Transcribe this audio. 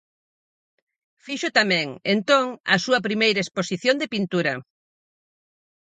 Fixo tamén, entón, a súa primeira exposición de pintura.